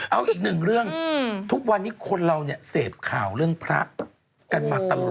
เอาอีกหนึ่งเรื่องทุกวันนี้คนเราเนี่ยเสพข่าวเรื่องพระกันมาตลอด